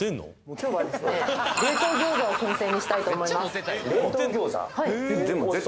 今日はですね冷凍餃子を燻製にしたいと思います冷凍餃子？